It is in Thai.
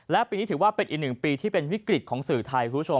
และปีนี้ถือว่าเป็นอีกหนึ่งปีที่เป็นวิกฤตของสื่อไทยคุณผู้ชม